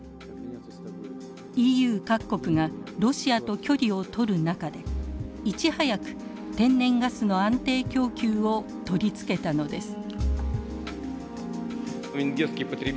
ＥＵ各国がロシアと距離を取る中でいち早く天然ガスの安定供給を取り付けたのです。